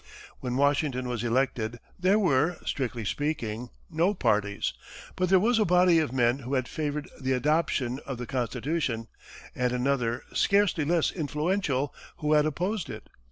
When Washington was elected there were, strictly speaking, no parties; but there was a body of men who had favored the adoption of the Constitution, and another, scarcely less influential, who had opposed it.